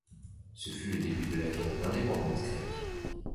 Ce fut le début de la Guerre d'indépendance grecque.